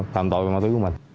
tạm tội ma túy của mình